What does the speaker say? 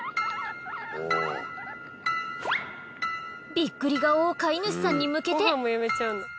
ビックリ顔を飼い主さんに向けて。